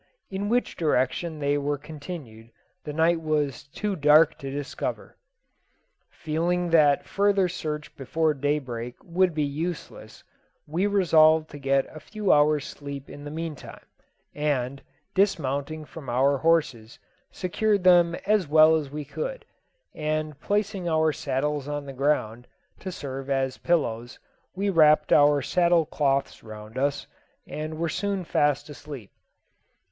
In which direction they were continued, the night was too dark to discover. Feeling that further search before daybreak would be useless, we resolved to get a few hours' sleep in the meantime; and, dismounting from our horses, secured them as well as we could, and placing our saddles on the ground, to serve as pillows, we wrapped our saddle cloths round us, and were soon fast asleep.